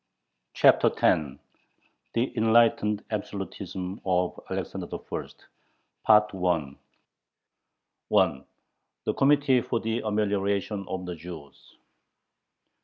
CHAPTER X THE "ENLIGHTENED ABSOLUTISM" OF ALEXANDER I. 1. "THE COMMITTEE FOR THE AMELIORATION OF THE JEWS."